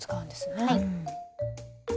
はい。